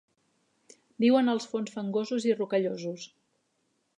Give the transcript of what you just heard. Viuen als fons fangosos i rocallosos.